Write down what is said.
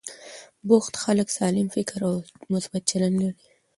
بوخت خلک سالم فکر او مثبت چلند لري.